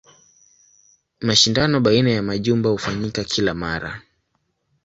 Mashindano baina ya majumba hufanyika kila mara.